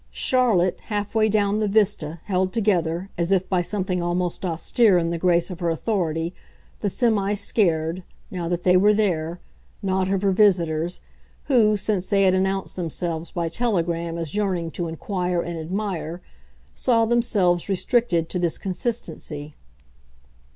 Charlotte, half way down the vista, held together, as if by something almost austere in the grace of her authority, the semi scared (now that they were there!) knot of her visitors, who, since they had announced themselves by telegram as yearning to inquire and admire, saw themselves restricted to this consistency.